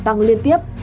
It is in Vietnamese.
tăng liên tiếp